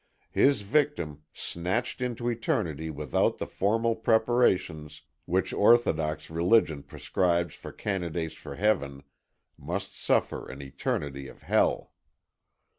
His victim, snatched into eternity without the formal preparations which orthodox religion prescribes for candidates for heaven, must suffer an eternity of hell.